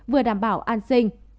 vừa đảm bảo an sinh